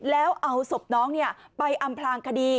แล้วเอาศพน้องไปอำพลางคดี